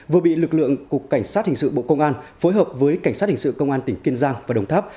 sự bộ công an phối hợp với cảnh sát hình sự công an tỉnh kiên giang và đồng tháp